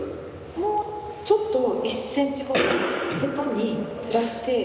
もうちょっと１センチほど外にずらして。